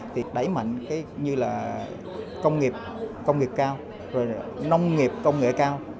thì đẩy mạnh như là công nghiệp cao nông nghiệp công nghệ cao